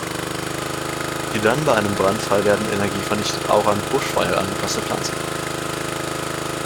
Die dann bei einem Brand freiwerdende Energie vernichtet auch an Buschfeuer angepasste Pflanzen.